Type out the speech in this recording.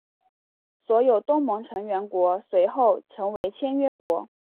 所有东盟成员国随后成为签约国。